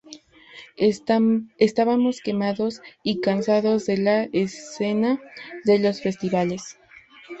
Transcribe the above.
Estábamos quemados y cansados de la escena de los festivales.